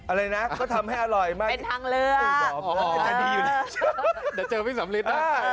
อะไรนะก็ทำให้อร่อยมากเป็นทางเลือก